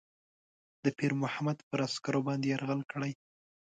د پیرمحمد پر عسکرو باندي یرغل کړی.